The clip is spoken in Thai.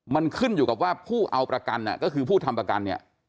มันขึ้นอยู่กับว่าผู้เอาประกันก็คือผู้ทำประกันเนี่ย